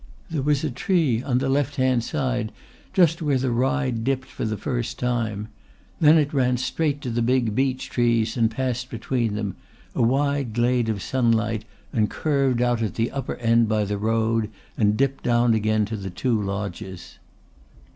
There was a tree on the left hand side just where the ride dipped for the first time. Then it ran straight to the big beech trees and passed between them, a wide glade of sunlight, and curved out at the upper end by the road and dipped down again to the two lodges.